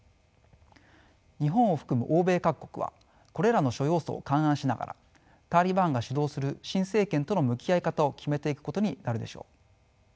日本を含む欧米各国はこれらの諸要素を勘案しながらタリバンが主導する新政権との向き合い方を決めていくことになるでしょう。